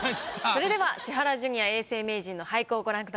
それでは千原ジュニア永世名人の俳句をご覧ください。